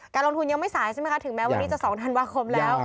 ลงทุนยังไม่สายใช่ไหมคะถึงแม้วันนี้จะ๒ธันวาคมแล้ว